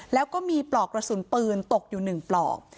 แล้วก็มีปลอกกระสุนปืนตกอยู่๑ปลอก